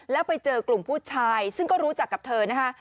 แล้วไปเจอกลุ่มผู้ชายซึ่งก็รู้จักกับเธอนะคะ